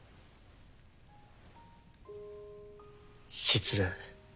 失礼。